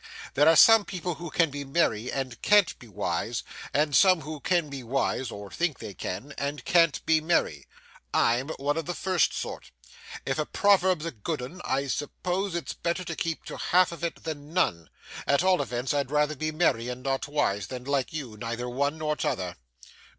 There are some people who can be merry and can't be wise, and some who can be wise (or think they can) and can't be merry. I'm one of the first sort. If the proverb's a good 'un, I suppose it's better to keep to half of it than none; at all events, I'd rather be merry and not wise, than like you, neither one nor t'other.